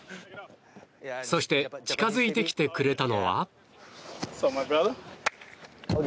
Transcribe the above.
そして近づいてきてくれたのは。